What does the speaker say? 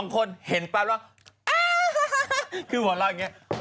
๒คนเห็นปั๊บว่าอ๊าาาาคือบอกเราอย่างงี้